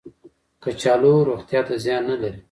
کچالو روغتیا ته زیان نه لري